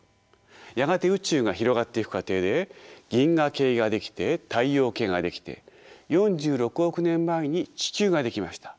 やがて宇宙が広がっていく過程で銀河系が出来て太陽系が出来て４６億年前に地球が出来ました。